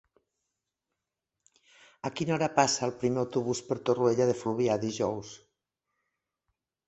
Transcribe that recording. A quina hora passa el primer autobús per Torroella de Fluvià dijous?